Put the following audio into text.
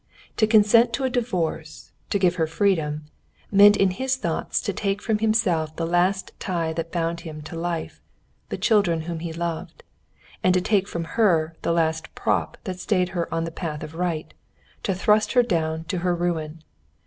To consent to a divorce, to give her her freedom, meant in his thoughts to take from himself the last tie that bound him to life—the children whom he loved; and to take from her the last prop that stayed her on the path of right, to thrust her down to her ruin.